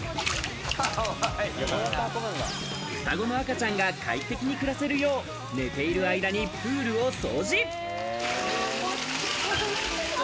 双子の赤ちゃんが快適に暮らせるよう、寝ている間にプールを掃除。